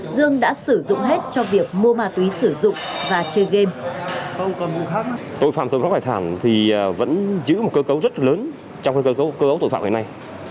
dương đã sử dụng hết cho việc mua ma túy